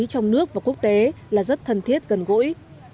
trong nước và quốc tế là rất thân thiết gần gũi